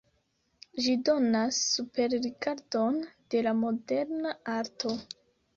Ĝi donas superrigardon de la moderna arto.